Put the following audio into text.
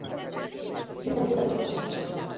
তিনি তাঁর নিজের বাড়িতে রবীন্দ্রনাথ ঠাকুরের সাক্ষাৎ পান।